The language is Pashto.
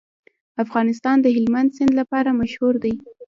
افغانستان د هلمند سیند لپاره مشهور دی.